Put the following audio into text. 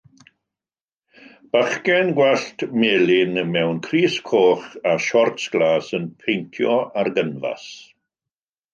Bachgen gwallt melyn mewn crys coch a siorts glas yn peintio ar gynfas.